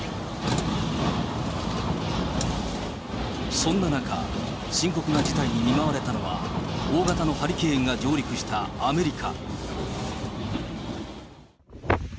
そんな中、深刻な事態に見舞われたのが、大型のハリケーンが上陸したアメリカ。